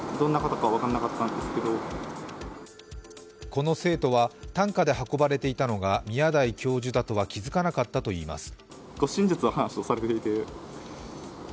この生徒は、担架で運ばれていたのが宮台教授だとは気づかなかったといいます。